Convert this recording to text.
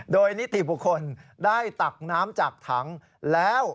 โดยนิติบุคคลได้ตักน้ำจากถังแล้ว